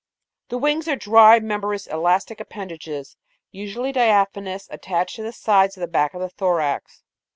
27. The wings are dry, membranous, elastic appendages, usu ally diaphanous, attached to the sides of the back of the thorax.